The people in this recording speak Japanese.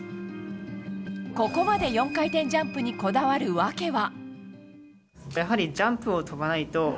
ここまで４回転ジャンプにこだわる訳は。